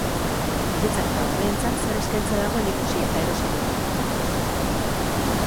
Niretzat eta umeentzat zer eskaintza dagoen ikusi, eta erosi egiten dut.